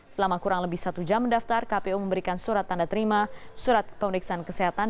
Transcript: selama kurang lebih satu jam mendaftar kpu memberikan surat tanda terima surat pemeriksaan kesehatan